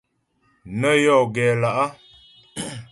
Nə́ yɔ gɛ lá'.